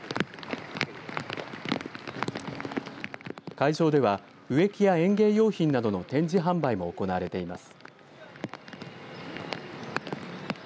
会場では植木や園芸用品などの展示販売も行われています。